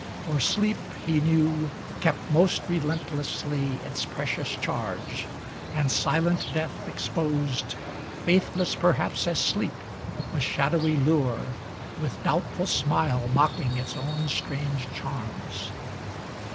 For sleep, he knew, kept most relentlessly Its precious charge, and silent death ex posed, Faithless perhaps as sleep, a shadowy lure, With doubtful smile mocking its owu strange charms.